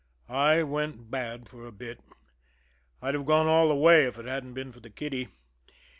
I went bad for a bit. I'd have gone all the way if it hadn't been for the kiddie.